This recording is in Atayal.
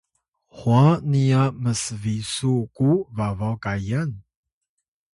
hwa niya msbisuw ku babaw kayan?